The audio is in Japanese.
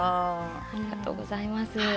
ありがとうございます。